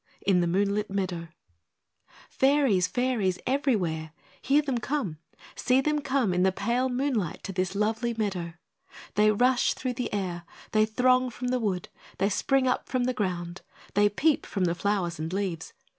IN THE MOONLIT MEADOW Fairies! Fairies everywhere! Hear them come! See them come in the pale moonlight to this lovely meadow! They rush through the air; they throng from the wood; they spring up from the ground; they peep from the flowers and leaves.